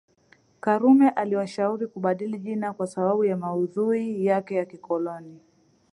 Karume aliwashauri kubadili jina kwa sababu ya maudhui yake ya kikoloni